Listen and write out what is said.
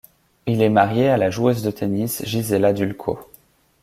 Il est marié à la joueuse de tennis Gisela Dulko.